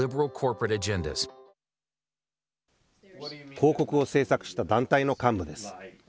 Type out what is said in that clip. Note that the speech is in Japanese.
広告を制作した団体の幹部です。